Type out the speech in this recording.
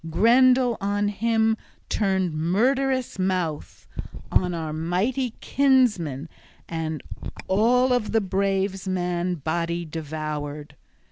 Grendel on him turned murderous mouth, on our mighty kinsman, and all of the brave man's body devoured.